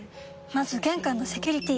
まず玄関のセキュリティ！